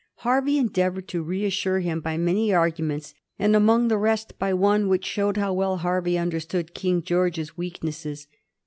Hervey endeavored to reassure him by many arguments, and among the rest by one which showed how well Hervey understood King George's weaknesses.